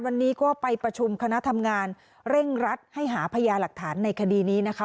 วันนี้ก็ไปประชุมคณะทำงานเร่งรัดให้หาพยาหลักฐานในคดีนี้นะคะ